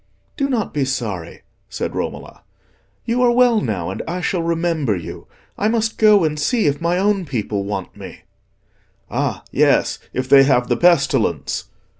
"Do not be sorry," said Romola, "you are well now, and I shall remember you. I must go and see if my own people want me." "Ah, yes, if they have the pestilence!"